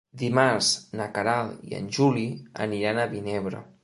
Dimarts na Queralt i en Juli aniran a Vinebre.